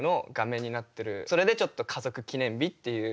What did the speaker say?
それでちょっと「家族記念日」っていう。